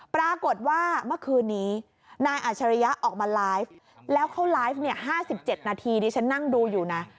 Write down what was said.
ปรากฏว่าเมื่อคืนนี้นายอัชริยะออกมาไลฟ์แล้วเขาไลฟ์๕๗นาทีดิฉันนั่งดูอยู่นะ